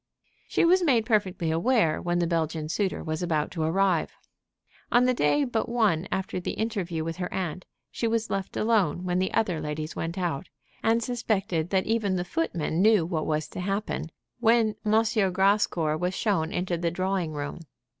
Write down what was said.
She was made perfectly aware when the Belgian suitor was about to arrive. On the day but one after the interview with her aunt she was left alone when the other ladies went out, and suspected that even the footmen knew what was to happen, when M. Grascour was shown into the drawing room.